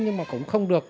nhưng mà cũng không được